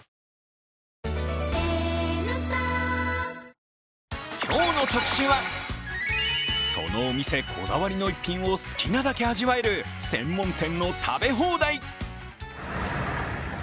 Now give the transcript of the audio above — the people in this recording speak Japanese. え．．．今日の特集は、そのお店こだわりの逸品を好きなだけ味わえる専門店の食べ放題。